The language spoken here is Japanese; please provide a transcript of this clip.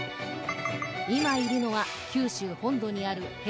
今いるのは九州本土にある辺